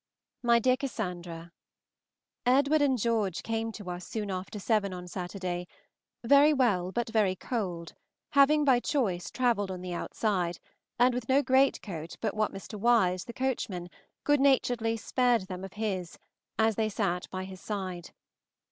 MY DEAR CASSANDRA, Edward and George came to us soon after seven on Saturday, very well, but very cold, having by choice travelled on the outside, and with no greatcoat but what Mr. Wise, the coachman, good naturedly spared them of his, as they sat by his side.